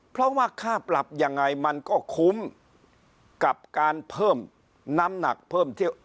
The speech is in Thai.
เพราะว่าค่าปรับยังไงมันก็คุ้มกับการเพิ่มน้ำหนักเพิ่มเที่ยว